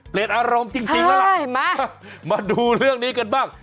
อารมณ์จริงแล้วล่ะมาดูเรื่องนี้กันบ้าง